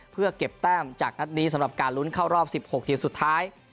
เพื่อเก็บแต้มจากนัดนี้สำหรับการลุ้นเข้ารอบ๑๖ทีมสุดท้าย